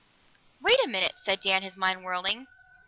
"Wait a minute!" said Dan, his mind whirling.